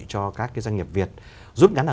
cho các doanh nghiệp việt giúp gắn